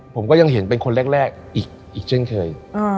ผมก็ยังเห็นเป็นคนแรกอีกเช่นเคย